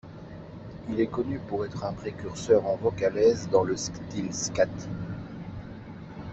Il est connu pour être un précurseur en vocalese dans le style scat.